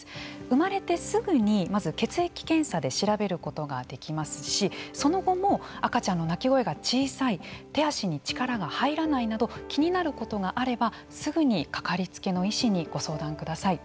生まれてすぐにまず血液検査で調べることができますしその後も、赤ちゃんの泣き声が小さい手足に力が入らないなど気になることがあればすぐに掛かりつけの医師にご相談ください。